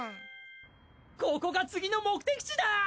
ここが次の目的地だ！